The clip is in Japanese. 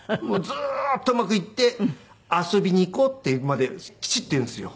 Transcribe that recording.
ずーっとうまくいって「遊びに行こう」って言うまできちっと言うんですよ。